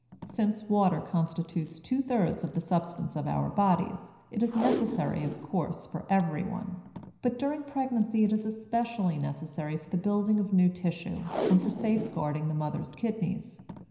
Since water constitutes two thirds of the substance of our bodies, it is necessary, of course, for everyone; but during pregnancy it is especially necessary for the building of new tissue and for safeguarding the mother's kidneys.